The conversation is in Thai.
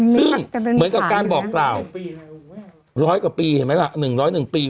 ซึ่งเหมือนกับการบอกกล่าวร้อยกว่าปีเห็นไหมล่ะหนึ่งร้อยหนึ่งปี